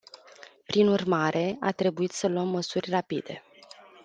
Prin urmare, a trebuit să luăm măsuri rapide.